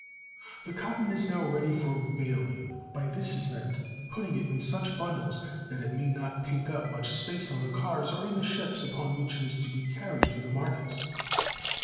::>^The cotton is now ready for baling. By this is meant putting it in such bundles that it may not take up much space on the cars or in the ships upon which it is to be carried to the markets.